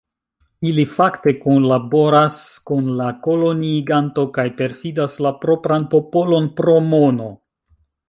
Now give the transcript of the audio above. Ili fakte kunlaboras kun la koloniiganto kaj perfidas la propran popolon pro mono.